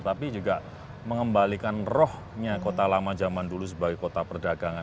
tapi juga mengembalikan rohnya kota lama zaman dulu sebagai kota perdagangan